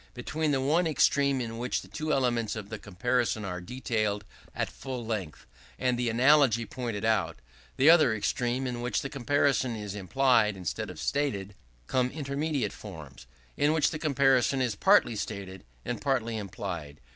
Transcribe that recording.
Between the one extreme in which the two elements of the comparison are detailed at full length and the analogy pointed out, and the other extreme in which the comparison is implied instead of stated, come intermediate forms, in which the comparison is partly stated and partly implied.